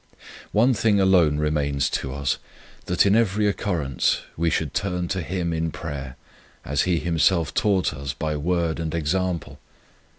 One thing alone remains to us : that in every occurrence we should turn to Him in prayer, as He Himself taught us by word and example.